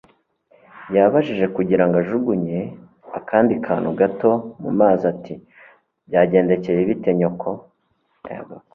Yabajije, kugira ngo ajugunye akandi kantu gato mu mazi, ati: "Byagendekeye bite nyoko?"